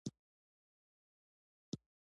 ماريا د سوي له امله چيغه کړه.